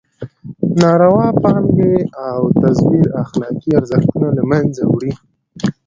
ناروا پانګې او تزویر اخلاقي ارزښتونه له مېنځه وړي.